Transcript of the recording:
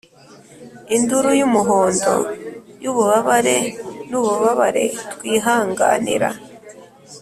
induru yumuhondo yububabare nububabare twihanganira.